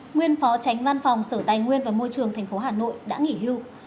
nguyên phó tránh văn phòng sở tài nguyên và môi trường tp hcm đã nghỉ hưu